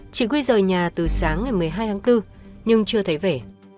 chị quy rời nhà từ sáng ngày một mươi hai tháng bốn nhưng chưa thấy về